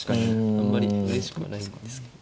あんまりうれしくはないんですけど。